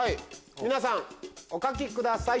皆さんお書きください。